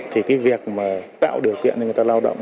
thì cái việc mà tạo điều kiện cho người ta lao động